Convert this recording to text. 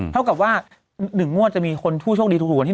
เท่ากับถ้า๑ม่วนจะมีคนผู้ช่วงดีทุกวันที่๑